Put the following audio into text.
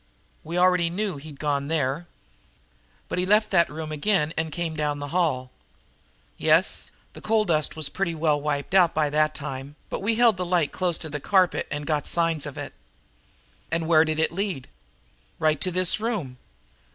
"We already knew he'd gone there." "But he left that room again and came down the hall." "Yes. The coal dust was pretty well wiped off by that time, but we held a light close to the carpet and got the signs of it." "And where did it lead?" "Right to this room!"